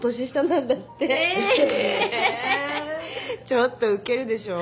ちょっとウケるでしょ。